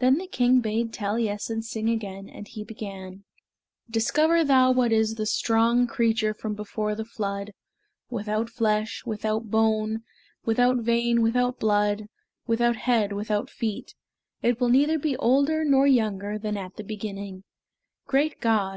Then the king bade Taliessin sing again, and he began: "Discover thou what is The strong creature from before the flood, Without flesh, without bone, Without vein, without blood, Without head, without feet; It will neither be older nor younger Than at the beginning; Great God!